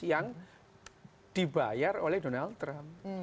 yang dibayar oleh donald trump